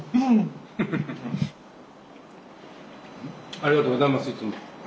ありがとうございますいつも。